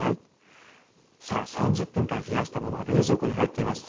さあ３０分間冷やしたものが冷蔵庫に入っています。